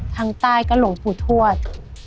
ทางใต้ก็หลวงปู่ทวช